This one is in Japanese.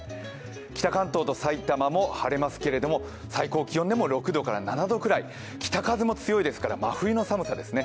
北関東と埼玉も晴れますけれども、最高気温でも６度から７度くらい、北風も強いですから真冬の寒さですね。